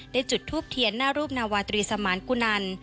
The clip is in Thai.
จุดทูปเทียนหน้ารูปนาวาตรีสมานกุนัน